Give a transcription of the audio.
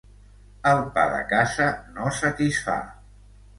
El pa de casa no satisfà.